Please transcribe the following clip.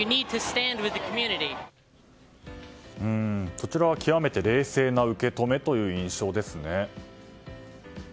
こちらは極めて冷静な受け止めという印象ですね。